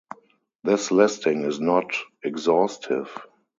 This listing is not exhaustive.